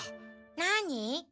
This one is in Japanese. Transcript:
なに？